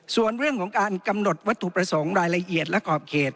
ส่วนเรื่องของการกำหนดวัตถุประสงค์รายละเอียดและขอบเขต